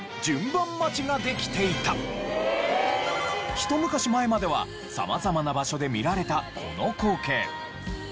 ひと昔前までは様々な場所で見られたこの光景。